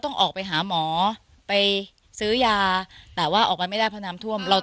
ต้องออกไปหาหมอไปซื้อยาแต่ว่าออกไปไม่ได้เพราะน้ำท่วมเรา